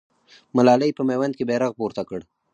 ملالۍ په میوند کې بیرغ پورته کړ.